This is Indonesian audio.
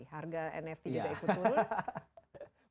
harga nft juga ikut turun